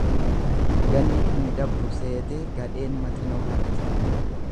Ganni hin dabru seetee gadheen maxinoo hatti.